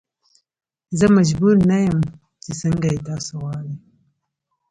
زه مجبور نه یم چې څنګه یې تاسو غواړئ.